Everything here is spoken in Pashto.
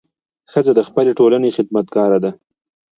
ښځه د خپلې ټولنې خدمتګاره ده.